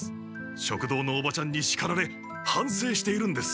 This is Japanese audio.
食堂のおばちゃんにしかられはんせいしているんです。